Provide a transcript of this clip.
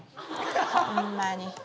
ホンマに。